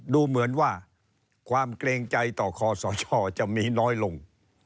ดูเหมือนว่าความเกรงใจต่อคอสชจะมีน้อยลง